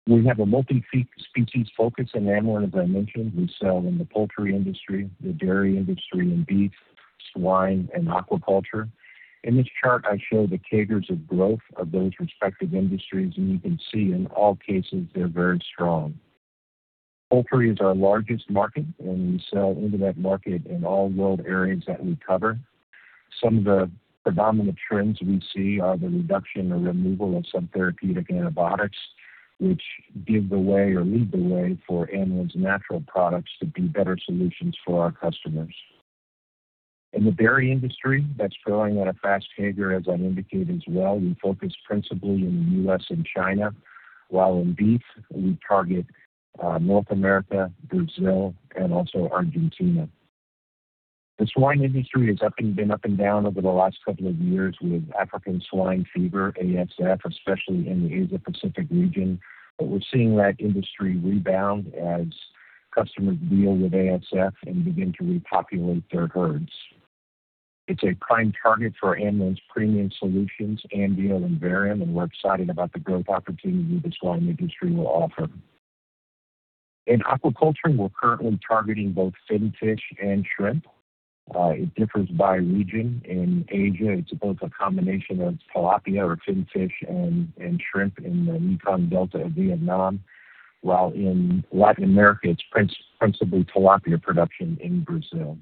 We have a multi-species focus in Amlin, as I mentioned. We sell in the poultry industry, the dairy industry, and beef, swine, and aquaculture. In this chart, I show the CAGRs of growth of those respective industries, and you can see in all cases they're very strong. Poultry is our largest market, and we sell into that market in all world areas that we cover. Some of the predominant trends we see are the reduction or removal of some therapeutic antibiotics, which give the way or lead the way for Amlin's natural products to be better solutions for our customers. In the dairy industry, that's growing at a fast clip, as I indicated as well. We focus principally in the U.S. and China, while in beef, we target North America, Brazil, and also Argentina. The swine industry has been up and down over the last couple of years with African Swine Fever, ASF, especially in the Asia-Pacific region, but we're seeing that industry rebound as customers deal with ASF and begin to repopulate their herds. It's a prime target for Amlin's premium solutions, Ambeal and Varium, and we're excited about the growth opportunity the swine industry will offer. In aquaculture, we're currently targeting both finfish and shrimp. It differs by region. In Asia, it's both a combination of tilapia or finfish and shrimp in the Mekong Delta of Vietnam, while in Latin America, it's principally tilapia production in Brazil.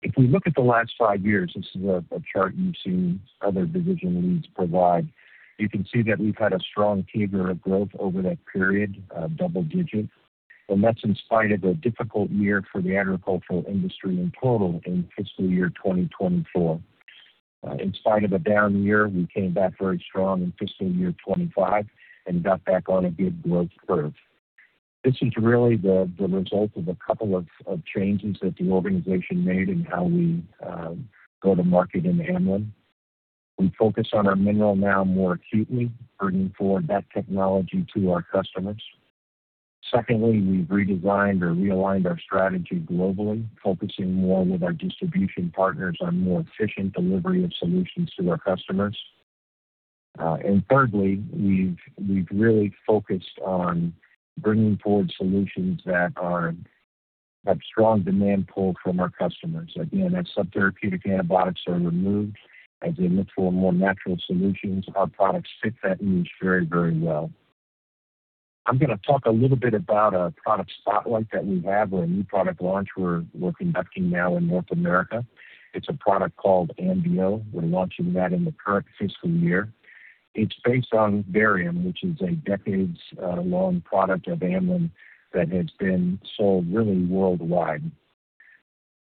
If we look at the last five years, this is a chart you've seen other division leads provide. You can see that we've had a strong cadre of growth over that period, double digit, and that's in spite of a difficult year for the agricultural industry in total in fiscal year 2024. In spite of a down year, we came back very strong in fiscal year 2025 and got back on a good growth curve. This is really the result of a couple of changes that the organization made in how we go to market in Amlin. We focus on our mineral now more acutely, bringing forward that technology to our customers. Secondly, we've redesigned or realigned our strategy globally, focusing more with our distribution partners on more efficient delivery of solutions to our customers. Thirdly, we've really focused on bringing forward solutions that have strong demand pull from our customers. Again, as some therapeutic antibiotics are removed, as they look for more natural solutions, our products fit that niche very, very well. I'm going to talk a little bit about a product spotlight that we have or a new product launch we're conducting now in North America. It's a product called Ambeal. We're launching that in the current fiscal year. It's based on Varium, which is a decades-long product of Amlin that has been sold really worldwide.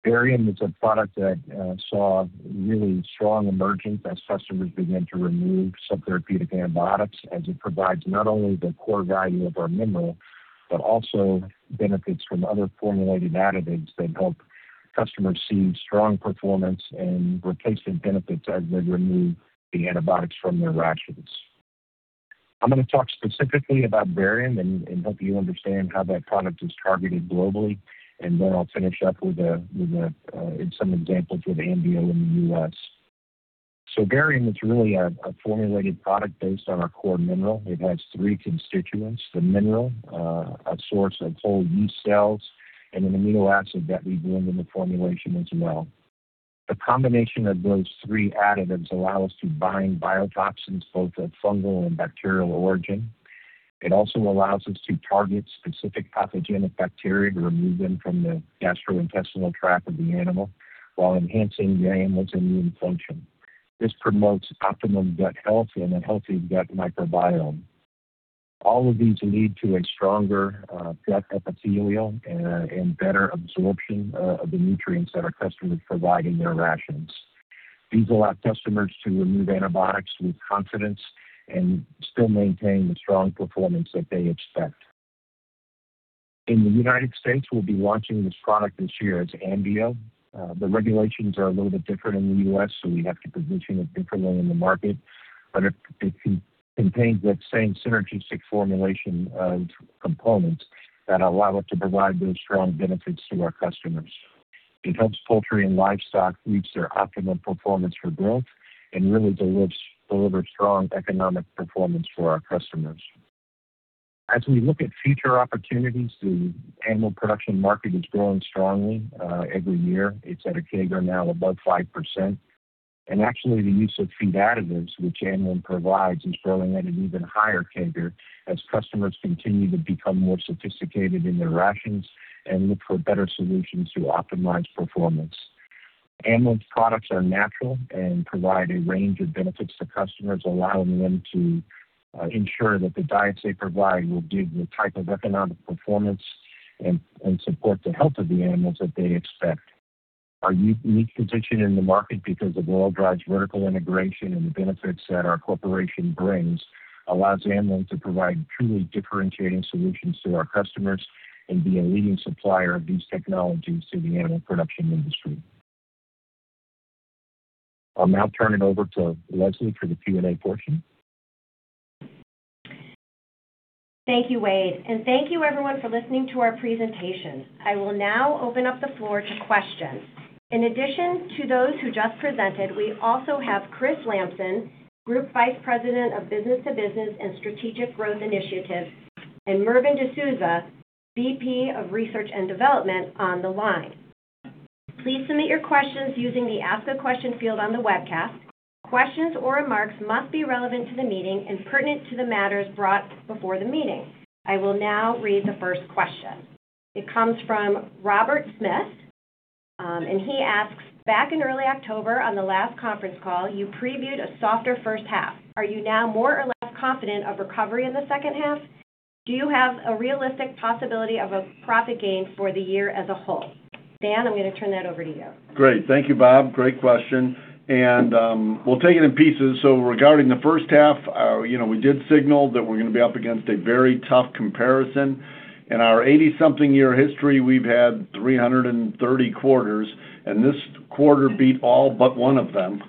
Varium is a product that saw really strong emergence as customers began to remove some therapeutic antibiotics, as it provides not only the core value of our mineral, but also benefits from other formulated additives that help customers see strong performance and replacement benefits as they remove the antibiotics from their rations. I'm going to talk specifically about Varium and help you understand how that product is targeted globally, and then I'll finish up with some examples with Ambeal in the U.S. Varium is really a formulated product based on our core mineral. It has three constituents: the mineral, a source of whole yeast cells, and an amino acid that we bring in the formulation as well. The combination of those three additives allows us to bind biotoxins, both of fungal and bacterial origin. It also allows us to target specific pathogenic bacteria to remove them from the gastrointestinal tract of the animal while enhancing the animal's immune function. This promotes optimum gut health and a healthy gut microbiome. All of these lead to a stronger gut epithelial and better absorption of the nutrients that our customers provide in their rations. These allow customers to remove antibiotics with confidence and still maintain the strong performance that they expect. In the United States, we'll be launching this product this year as Ambeal. The regulations are a little bit different in the U.S., so we have to position it differently in the market, but it contains that same synergistic formulation of components that allow us to provide those strong benefits to our customers. It helps poultry and livestock reach their optimum performance for growth and really delivers strong economic performance for our customers. As we look at future opportunities, the animal production market is growing strongly every year. It's at a CAGR now above 5%. And actually, the use of feed additives, which Amlin provides, is growing at an even higher CAGR as customers continue to become more sophisticated in their rations and look for better solutions to optimize performance. Amlin's products are natural and provide a range of benefits to customers, allowing them to ensure that the diets they provide will give the type of economic performance and support the health of the animals that they expect. Our unique position in the market because of Oil-Dri's vertical integration and the benefits that our corporation brings allows Amlin to provide truly differentiating solutions to our customers and be a leading supplier of these technologies to the animal production industry. I'll now turn it over to Leslie for the Q&A portion. Thank you, Wade, and thank you, everyone, for listening to our presentation. I will now open up the floor to questions. In addition to those who just presented, we also have Chris Lamson, Group Vice President of Business to Business and Strategic Growth Initiatives, and Mervyn D'Souza, VP of Research and Development, on the line. Please submit your questions using the Ask a Question field on the webcast. Questions or remarks must be relevant to the meeting and pertinent to the matters brought before the meeting. I will now read the first question. It comes from Robert Smith, and he asks, "Back in early October, on the last conference call, you previewed a softer first half. Are you now more or less confident of recovery in the second half? Do you have a realistic possibility of a profit gain for the year as a whole?" Dan, I'm going to turn that over to you. Great. Thank you, Bob. Great question, and we'll take it in pieces. Regarding the first half, we did signal that we're going to be up against a very tough comparison. In our 80-something year history, we've had 330 quarters, and this quarter beat all but one of them,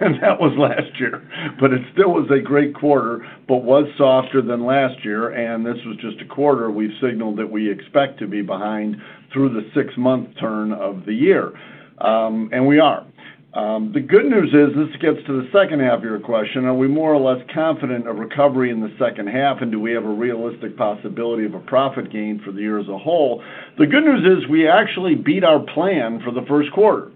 and that was last year, but it still was a great quarter, but was softer than last year, and this was just a quarter we've signaled that we expect to be behind through the six-month turn of the year, and we are. The good news is, this gets to the second half of your question, are we more or less confident of recovery in the second half, and do we have a realistic possibility of a profit gain for the year as a whole? The good news is we actually beat our plan for the first quarter.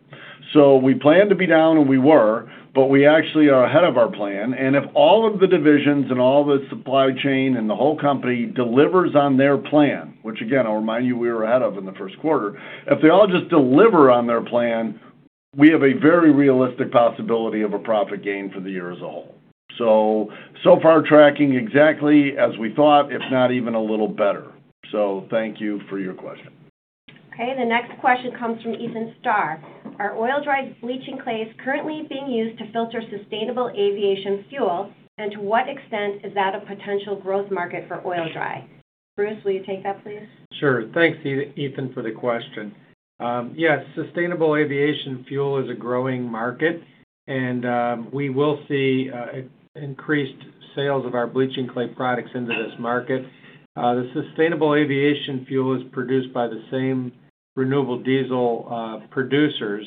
We planned to be down, and we were, but we actually are ahead of our plan. If all of the divisions and all the supply chain and the whole company delivers on their plan, which, again, I'll remind you we were ahead of in the first quarter, if they all just deliver on their plan, we have a very realistic possibility of a profit gain for the year as a whole. So far, tracking exactly as we thought, if not even a little better. Thank you for your question. Okay. The next question comes from Ethan Star. Are Oil-Dri's bleaching clays currently being used to filter sustainable aviation fuel, and to what extent is that a potential growth market for Oil-Dri? Bruce, will you take that, please? Sure. Thanks, Ethan, for the question. Yes, sustainable aviation fuel is a growing market, and we will see increased sales of our bleaching clay products into this market. The sustainable aviation fuel is produced by the same renewable diesel producers,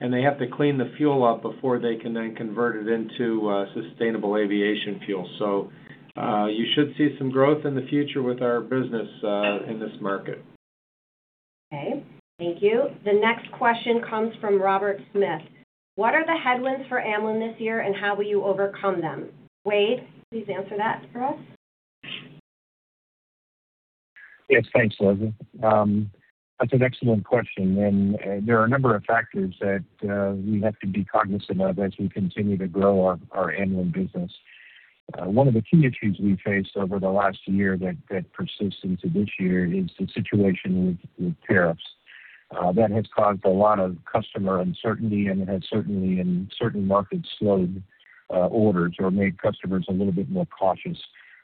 and they have to clean the fuel up before they can then convert it into sustainable aviation fuel. You should see some growth in the future with our business in this market. Okay. Thank you. The next question comes from Robert Smith. What are the headwinds for Amlin this year, and how will you overcome them? Wade, please answer that for us. Yes. Thanks, Leslie. That's an excellent question. There are a number of factors that we have to be cognizant of as we continue to grow our Amlin business. One of the key issues we faced over the last year that persists into this year is the situation with tariffs. That has caused a lot of customer uncertainty, and it has certainly in certain markets slowed orders or made customers a little bit more cautious.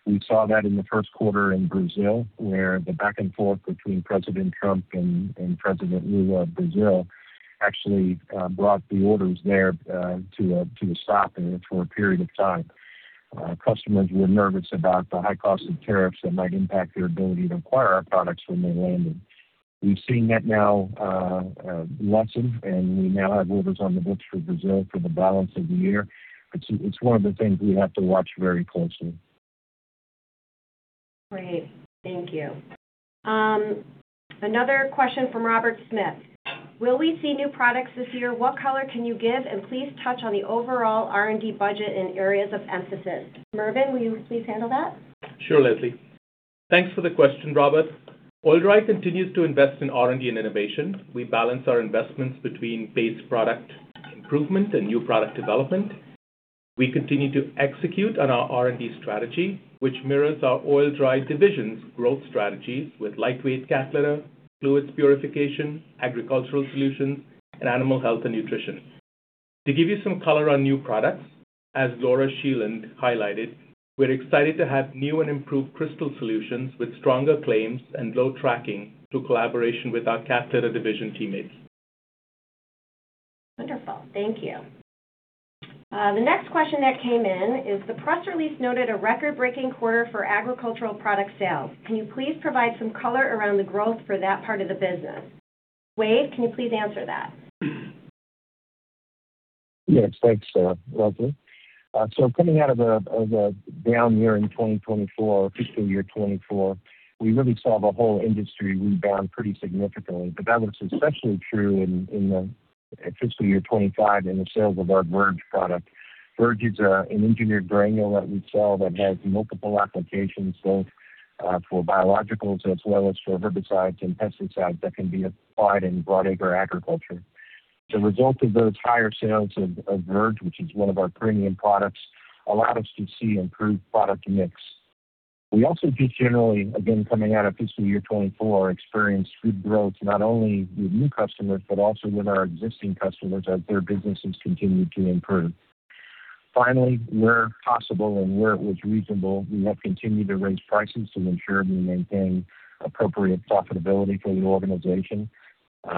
We saw that in the first quarter in Brazil, where the back and forth between President Trump and President Lula of Brazil actually brought the orders there to a stop for a period of time. Customers were nervous about the high cost of tariffs that might impact their ability to acquire our products when they landed. We've seen that now lessen, and we now have orders on the books for Brazil for the balance of the year. It's one of the things we have to watch very closely. Great. Thank you. Another question from Robert Smith. Will we see new products this year? What color can you give? And please touch on the overall R&D budget and areas of emphasis. Mervyn, will you please handle that? Sure, Leslie. Thanks for the question, Robert. Oil-Dri continues to invest in R&D and innovation. We balance our investments between base product improvement and new product development. We continue to execute on our R&D strategy, which mirrors our Oil-Dri division's growth strategies with lightweight cat litter, fluids purification, agricultural solutions, and animal health and nutrition. To give you some color on new products, as Laura Scheland highlighted, we're excited to have new and improved crystal solutions with stronger claims and low tracking through collaboration with our cat litter division teammates. Wonderful. Thank you. The next question that came in is, "The press release noted a record-breaking quarter for agricultural product sales. Can you please provide some color around the growth for that part of the business?" Wade, can you please answer that? Yes. Thanks, Leslie. Coming out of a down year in 2024, fiscal year 2024, we really saw the whole industry rebound pretty significantly, but that was especially true in the fiscal year 2025 in the sales of our Verge product. Verge is an engineered granule that we sell that has multiple applications, both for biologicals as well as for herbicides and pesticides that can be applied in broadacre agriculture. The result of those higher sales of Verge, which is one of our premium products, allowed us to see improved product mix. We also just generally, again, coming out of fiscal year 2024, experienced good growth not only with new customers but also with our existing customers as their businesses continued to improve. Finally, where possible and where it was reasonable, we have continued to raise prices to ensure we maintain appropriate profitability for the organization,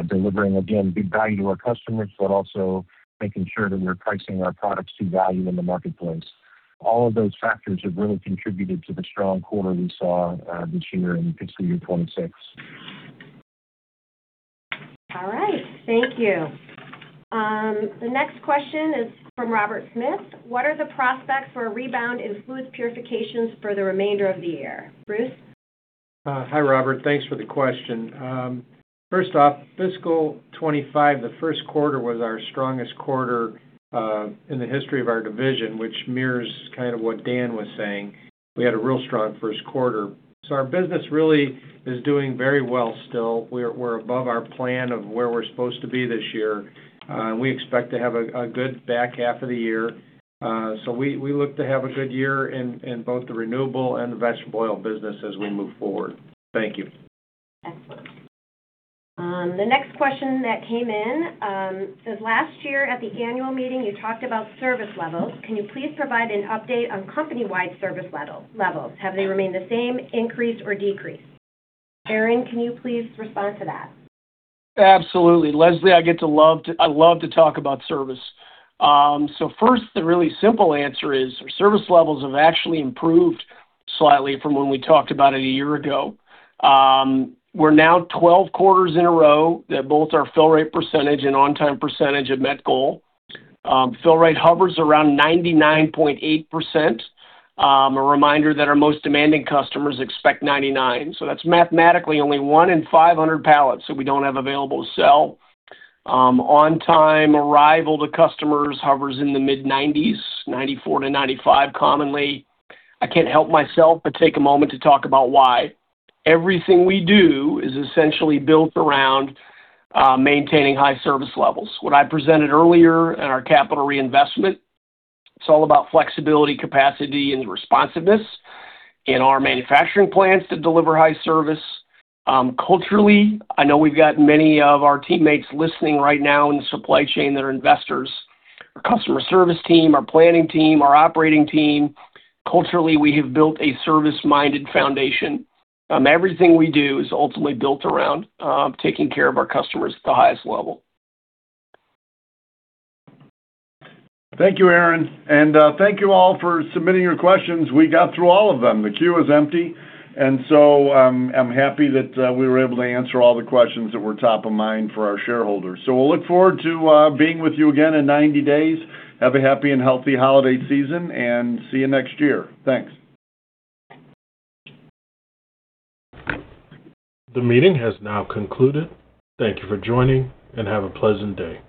delivering, again, good value to our customers but also making sure that we're pricing our products to value in the marketplace. All of those factors have really contributed to the strong quarter we saw this year in fiscal year 2026. All right. Thank you. The next question is from Robert Smith. What are the prospects for a rebound in fluids purification for the remainder of the year? Bruce? Hi, Robert. Thanks for the question. First off, fiscal 2025, the first quarter was our strongest quarter in the history of our division, which mirrors what Dan was saying. We had a real strong first quarter. Our business really is doing very well still. We're above our plan of where we're supposed to be this year. We expect to have a good back half of the year. We look to have a good year in both the renewable and vegetable oil business as we move forward. Thank you. Excellent. The next question that came in says, "Last year, at the annual meeting, you talked about service levels. Can you please provide an update on company-wide service levels? Have they remained the same, increased, or decreased?" Aaron, can you please respond to that? Absolutely. Leslie, I'd love to talk about service. First, the really simple answer is our service levels have actually improved slightly from when we talked about it a year ago. We're now 12 quarters in a row that both our fill rate percentage and on-time percentage have met goal. Fill rate hovers around 99.8%. A reminder that our most demanding customers expect 99%. That's mathematically only one in 500 pallets that we don't have available to sell. On-time arrival to customers hovers in the mid-90s, 94%-95% commonly. I can't help myself but take a moment to talk about why. Everything we do is essentially built around maintaining high service levels. What I presented earlier in our capital reinvestment, it's all about flexibility, capacity, and responsiveness in our manufacturing plants to deliver high service. Culturally, I know we've got many of our teammates listening right now in the supply chain that are investors, our customer service team, our planning team, our operating team. Culturally, we have built a service-minded foundation. Everything we do is ultimately built around taking care of our customers at the highest level. Thank you, Aaron, and thank you all for submitting your questions. We got through all of them. The queue was empty, and so I'm happy that we were able to answer all the questions that were top of mind for our shareholders, so we'll look forward to being with you again in 90 days. Have a happy and healthy holiday season, and see you next year. Thanks. The meeting has now concluded. Thank you for joining, and have a pleasant day.